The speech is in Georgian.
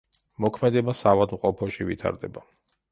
მოქმედება საავადმყოფოში ვითარდება.